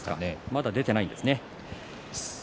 まだ出ていないですね。